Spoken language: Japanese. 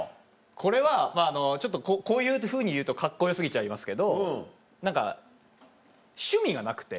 これはちょっとこういうふうに言うとカッコよ過ぎちゃいますけど何か趣味がなくて。